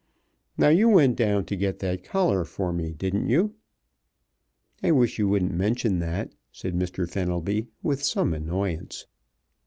Now, you went down to get that collar for me, didn't you?" "I wish you wouldn't mention that," said Mr. Fenelby with some annoyance.